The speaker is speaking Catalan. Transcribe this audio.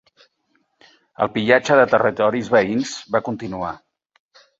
El pillatge de territoris veïns va continuar.